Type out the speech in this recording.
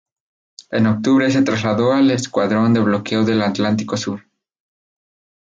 En octubre se trasladó al Escuadrón de Bloqueo del Atlántico Sur.